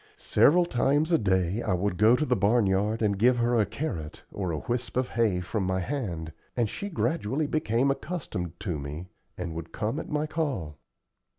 Several times a day I would go to the barn yard and give her a carrot or a whisp of hay from my hand, and she gradually became accustomed to me, and would come at my call.